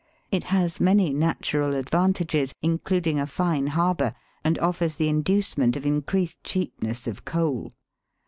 It has many natural advantages, including a fine harbour, and offers the inducement of increased cheapness of coal.